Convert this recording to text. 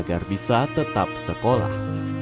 agar bisa tetap sekolah